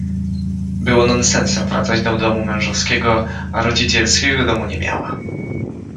Było nonsensem wracać do domu mężowskiego, a rodzicielskiego domu nie miała.